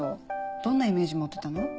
どんなイメージ持ってたの？